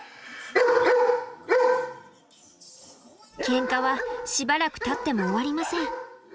ケンカはしばらくたっても終わりません。